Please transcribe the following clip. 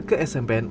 ke dalam perahu ketek